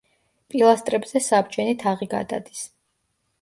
პილასტრებზე საბჯენი თაღი გადადის.